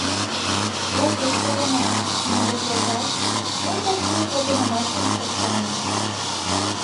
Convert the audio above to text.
Лачеш толынат, Темиров йолташ, мый таче погынымашым ышташ шонем.